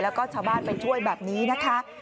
แล้วก็ชาวบ้านไปช่วยแบบนี้นะคะ